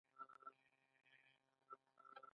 د غنمو یوه دانه هم ارزښت لري.